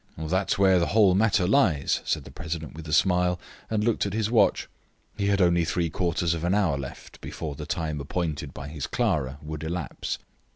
"That's where the whole matter lies," said the president, with a smile, and looked at his watch. He had only three quarters of an hour left before the time appointed by his Clara would elapse.